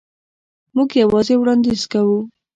موږ یوازې وړاندیز کوو.